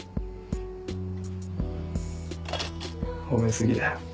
褒め過ぎだよ。